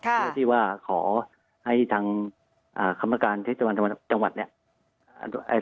เพื่อที่ว่าขอให้ทางคำการเทศบาลจังหวัดเนี่ย